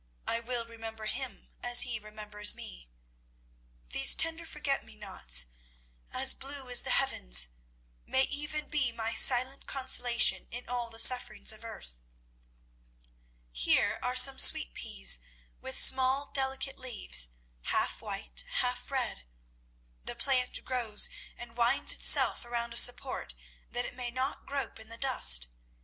I will remember Him as He remembers me. "These tender forget me nots, as blue as the heavens, may even be my silent consolation in all the sufferings of earth. Here are some sweet peas with small delicate leaves, half white, half red. The plant grows and winds itself around a support, that it may not grope in the dust.